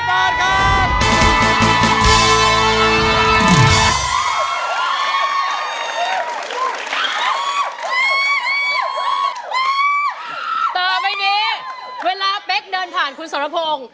เพราะว่านี้เวลาเป๊กเดินผ่านคุณสระพง